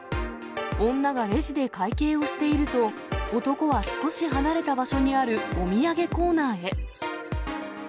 女がレジで会計をしていると、男は少し離れた場所にあるお土産コーナーへ。